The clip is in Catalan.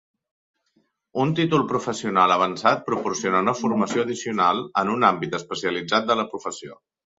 Un títol professional avançat proporciona una formació addicional en un àmbit especialitzat de la professió.